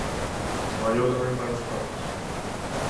Traballou tamén para os papas.